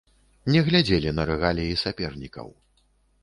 Не глядзелі на рэгаліі сапернікаў.